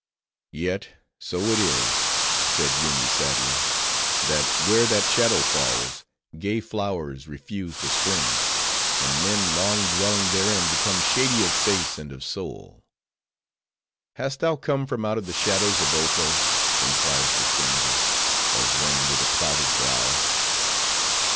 "Yet, so it is," said Yoomy, sadly, "that where that shadow falls, gay flowers refuse to spring; and men long dwelling therein become shady of face and of soul. 'Hast thou come from out the shadows of Ofo?' inquires the stranger, of one with a clouded brow."